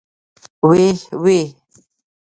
ويح ويح.